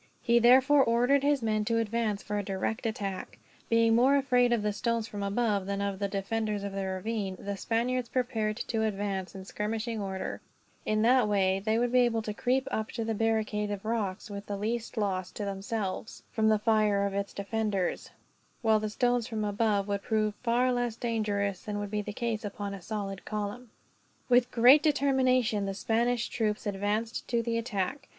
He therefore ordered his men to advance, for a direct attack. Being more afraid of the stones from above than of the defenders in the ravine, the Spaniards prepared to advance in skirmishing order; in that way they would be able to creep up to the barricade of rocks with the least loss, to themselves, from the fire of its defenders; while the stones from above would prove far less dangerous than would be the case upon a solid column. With great determination, the Spanish troops advanced to the attack.